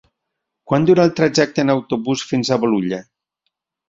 Quant dura el trajecte en autobús fins a Bolulla?